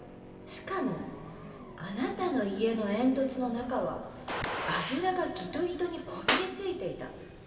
しかもあなたの家の煙突の中は油がギトギトにこびりついていた。